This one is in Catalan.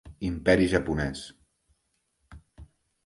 Imperi japonès.